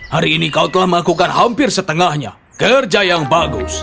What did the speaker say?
hari ini kau telah melakukan hampir setengahnya kerja yang bagus